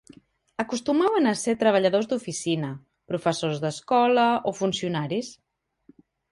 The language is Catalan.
Acostumaven a ser treballadors d'oficina, professors d'escola o funcionaris.